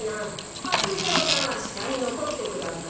はす次郎さんはしたにのこってください。